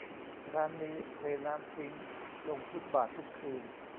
ร้านนี้เทน้ำทิ้งลงฟุตบาททุกคืน